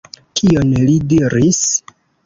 Kion li diris?